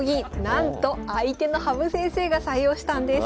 なんと相手の羽生先生が採用したんです。